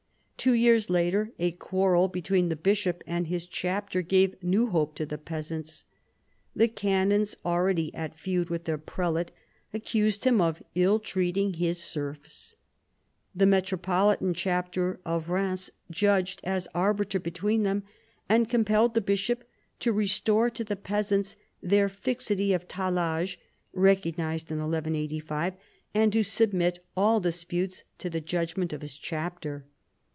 Two years later a quarrel between the bishop and his chapter gave new hope to the peasants. The canons already at feud with their prelate accused him of ill treating his serfs. The metropolitan chapter of Rheims judged as arbiter between them, and compelled the bishop to restore to the peasants their fixity of tallage (recognised in 1185), and to submit all disputes to the judgment of his chapter.